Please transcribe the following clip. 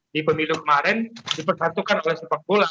satu dua tiga di pemilu kemarin dipersatukan oleh sepak bola